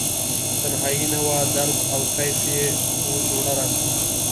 تنهایې نه وه درد او کیف یې و جوړه راسره